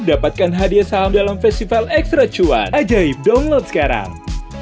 dapatkan hadiah saham dalam festival extra cuan ajaib download sekarang